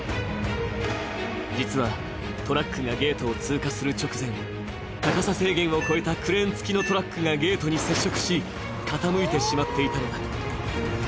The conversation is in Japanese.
実はトラックがゲートを通過する直前、高さ制限を超えたクレーンつきのトラックがゲートに接触し、傾いてしまっていたのだ。